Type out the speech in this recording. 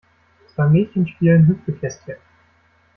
Zwei Mädchen spielen Hüpfekästchen.